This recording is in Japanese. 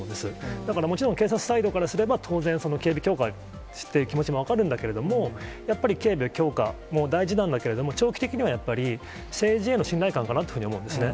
だから、もちろん警察サイドからすれば、当然、その警備強化をしたい気持ちも分かるんだけれども、やっぱり警備を強化も大事なんだけども、長期的にはやっぱり、政治への信頼感かなというふうに思うんですね。